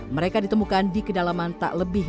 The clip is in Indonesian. mereka ditemukan di kedalaman tak lebih